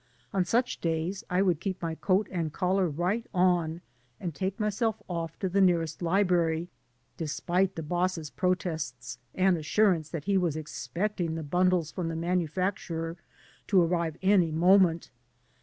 On such days I would keep my coat and collar right on and take myself off to the nearest library, despite the boss's protests and assurance that he was expecting the bundles from the manufacturer to arrive any moment.